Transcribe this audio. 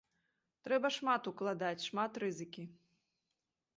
Трэба шмат укладаць, шмат рызыкі.